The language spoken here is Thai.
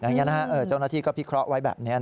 อย่างนี้เจ้าหน้าที่ก็พิเคราะห์ไว้แบบนี้